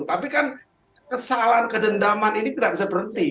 tapi kan kesalahan kedendaman ini tidak bisa berhenti